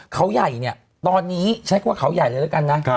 เขาใหญ่ตอนนี้ใช้ความว่าเขาใหญ่เลยละกันนะ